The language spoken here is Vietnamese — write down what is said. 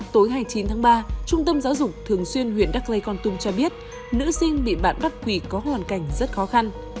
tối hai mươi chín tháng ba trung tâm giáo dục thường xuyên huyện đắc lây con tum cho biết nữ sinh bị bạn bắt quỳ có hoàn cảnh rất khó khăn